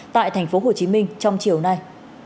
tại tp hcm trong chiều nay